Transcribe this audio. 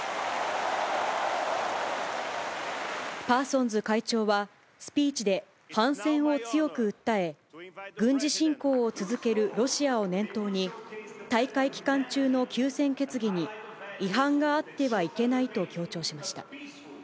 パーソンズ会長は、スピーチで反戦を強く訴え、軍事侵攻を続けるロシアを念頭に、大会期間中の休戦決議に違反があってはいけないと強調しました。